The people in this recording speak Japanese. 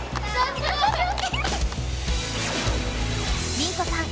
リンコさん